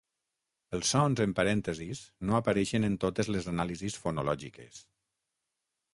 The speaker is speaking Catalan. Els sons en parèntesis no apareixen en totes les anàlisis fonològiques.